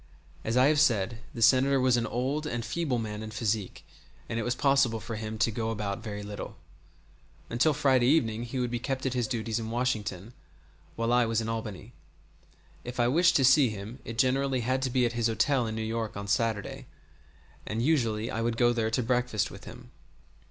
As I have said, the Senator was an old and feeble man in physique, and it was possible for him to go about very little. Until Friday evening he would be kept at his duties at Washington, while I was in Albany. If I wished to see him it generally had to be at his hotel in New York on Saturday, and usually I would go there to breakfast with him.